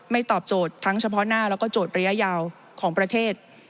ตอบโจทย์ทั้งเฉพาะหน้าแล้วก็โจทย์ระยะยาวของประเทศ